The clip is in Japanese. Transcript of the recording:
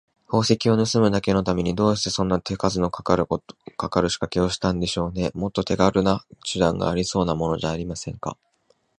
宝石をぬすむだけのために、どうしてそんな手数のかかるしかけをしたんでしょうね。もっと手がるな手段がありそうなものじゃありませんか。